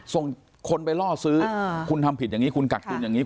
ส่งคนไปล่อซื้อคุณทำผิดอย่างนี้คุณกักตุนอย่างนี้